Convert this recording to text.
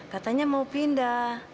katanya mau pindah